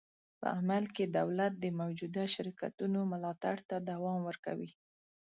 په عمل کې دولت د موجوده شرکتونو ملاتړ ته دوام ورکوي.